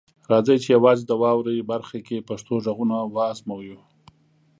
راځئ چې یوازې د "واورئ" برخه کې پښتو غږونه وازموو.